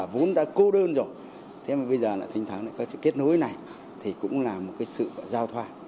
vốn rồi thế mà bây giờ là thỉnh thoảng có cái kết nối này thì cũng là một cái sự giao thoa